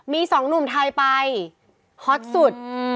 มีสองหนุ่มไทยไปฮอตสุด